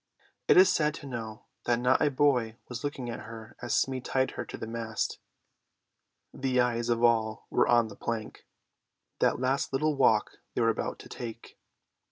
It is sad to know that not a boy was looking at her as Smee tied her to the mast; the eyes of all were on the plank: that last little walk they were about to take.